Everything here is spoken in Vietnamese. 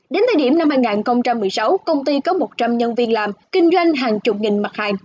đến thời điểm năm hai nghìn một mươi sáu công ty có một trăm linh nhân viên làm kinh doanh hàng chục nghìn mặt hàng